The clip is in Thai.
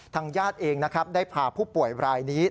ทางญาติเองได้พาผู้ป่วยรายนี้